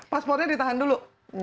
paspornya ditahan dulu